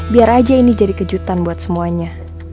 biar aja ini jadi kejutan buat semuanya